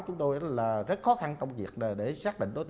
chúng tôi là rất khó khăn trong việc để xác định đối tượng